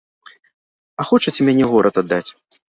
А хочаце мяне ў горад аддаць.